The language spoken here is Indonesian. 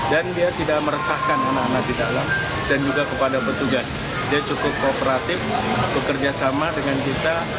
dan dia tidak meresahkan anak anak di dalam dan juga kepada petugas dia cukup kooperatif bekerja sama dengan kita